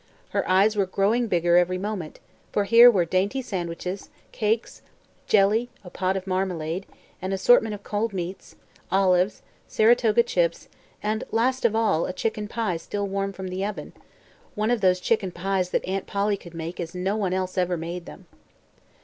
Her eyes were growing bigger every moment, for here were dainty sandwiches, cakes, jelly, a pot of marmalade, an assortment of cold meats, olives, Saratoga chips, and last of all a chicken pie still warm from the oven one of those chicken pies that Aunt Polly could make as no one else ever made them.